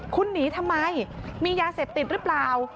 คุณหนีทำไมมียาเสพติดหรือเปล่า